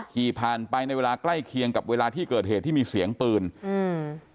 ขี่ผ่านไปในเวลาใกล้เคียงกับเวลาที่เกิดเหตุที่มีเสียงปืนอืม